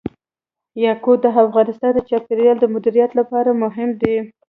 یاقوت د افغانستان د چاپیریال د مدیریت لپاره مهم دي.